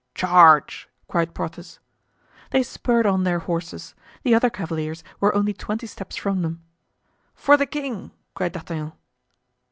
"Charge!" cried Porthos. They spurred on their horses; the other cavaliers were only twenty steps from them. "For the king!" cried D'Artagnan.